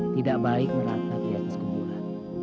tidak baik merata di atas kuburan